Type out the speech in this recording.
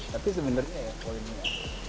tapi sebenarnya ya poinnya